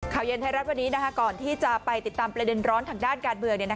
เย็นไทยรัฐวันนี้ก่อนที่จะไปติดตามประเด็นร้อนทางด้านการเมือง